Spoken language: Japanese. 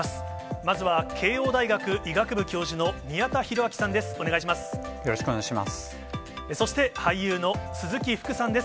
まずは慶應大学医学部教授の宮田裕章さんです。